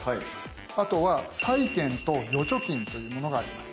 あとは債券と預貯金というものがあります。